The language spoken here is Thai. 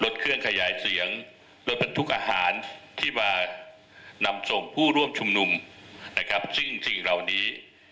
ซึ่งสิ่งเหล่านี้